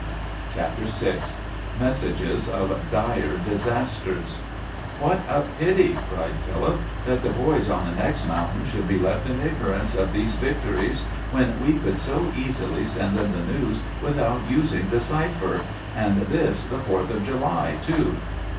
CHAPTER VI MESSAGES OF DIRE DISASTERS "What a pity," cried Philip, "that the boys on the next mountain should be left in ignorance of these victories when we could so easily send them the news without using the cipher and this the Fourth of July, too!"